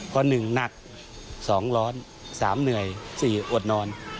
เพราะหนึ่งหนักสองร้อนสามเหนื่อยสี่อดนอน